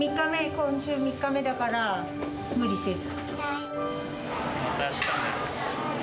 今週３日目だから無理せず。